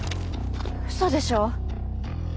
ウソでしょ。